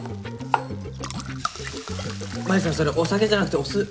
真夢さんそれお酒じゃなくてお酢！